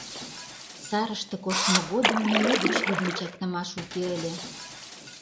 Сарыште коштмо годым нимо деч лӱдын чакнымаш уке ыле.